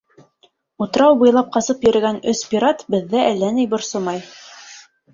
Утрау буйлап ҡасып йөрөгән өс пират беҙҙе әллә ни борсомай.